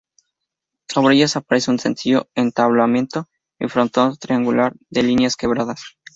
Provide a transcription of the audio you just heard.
Sobre ellas aparece un sencillo entablamento y frontón triangular, de líneas quebradas.